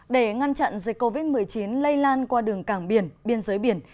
để ngăn chặn dịch covid một mươi chín lây lan qua đường cảng biển biên giới biển